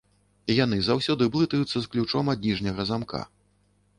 Яны заўсёды блытаюцца з ключом ад ніжняга замка.